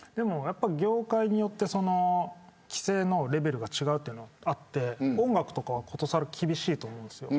業界によって規制のレベルが違うのはあって音楽とかはことさら厳しいと思うんです。